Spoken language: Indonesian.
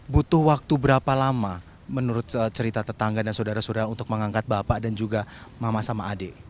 butuh waktu berapa lama menurut cerita tetangga dan saudara saudara untuk mengangkat bapak dan juga mama sama adik